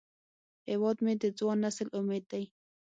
هیواد مې د ځوان نسل امید دی